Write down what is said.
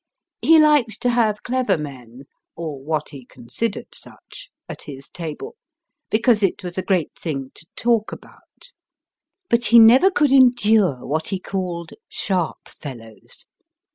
He liked to have clever men, or what he considered such, at his table, because it was a great thing to talk about ; but he never could endure what ho called " sharp fellows."